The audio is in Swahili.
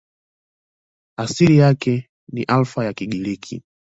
Asili yake ni Alfa ya Kigiriki.